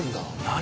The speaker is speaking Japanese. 何？